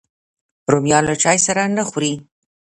رومیان له چای سره نه خوري